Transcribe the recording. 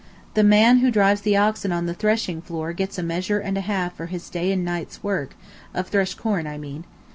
The man who drives the oxen on the threshing floor gets a measure and a half for his day and night's work, of threshed corn, I mean.